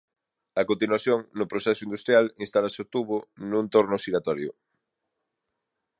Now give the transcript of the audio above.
A continuación no proceso industrial instálase o tubo nun torno xiratorio.